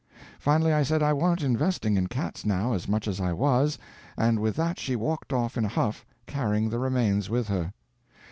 Finally, I said I warn't investing in cats now as much as I was, and with that she walked off in a huff, carrying the remains with her.